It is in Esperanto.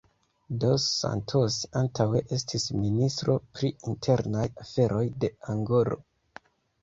Dos Santos antaŭe estis ministro pri internaj aferoj de Angolo.